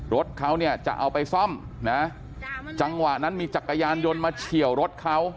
รถเขาเนี่ยจะเอาไปซ่อมนะจังหวะนั้นมีจักรยานยนต์มาเฉียวรถเขา